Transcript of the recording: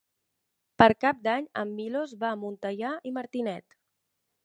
Per Cap d'Any en Milos va a Montellà i Martinet.